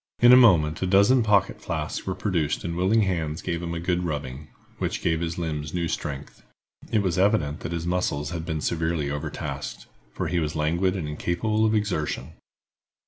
In a moment a dozen pocket flasks were produced and willing hands gave him a good rubbing, which gave his limbs new strength. It was evident that his muscles had been severely overtasked, for he was languid and incapable of exertion.